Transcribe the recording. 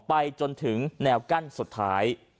ไปจนถึงแนวกั้นสุดท้าย